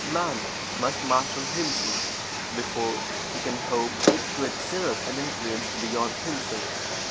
Man must master himself before he can hope to exert an influence beyond himself.